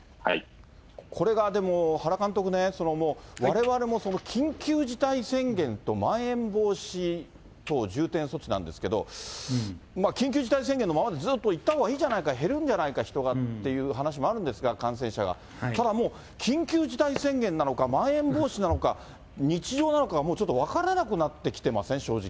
これがでも、原監督ね、われわれも緊急事態宣言とまん延防止等重点措置なんですけれども、緊急事態宣言のまま、ずっといったほうがいいんじゃないか、減るんじゃないか、人がっていう話もあるんですが、感染者が、ただもう、緊急事態宣言なのか、まん延防止なのか、日常なのかがもうちょっと、分からなくなってきてません？